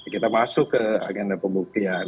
kita masuk ke agenda pembuktian